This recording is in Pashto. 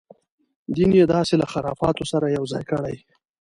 دین یې داسې له خرافاتو سره یو ځای کړی.